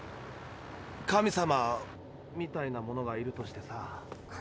神様みたいなものがいるとしてさ。